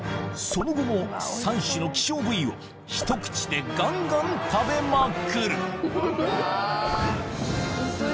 その後も３種の希少部位をひと口でガンガン食べまくる！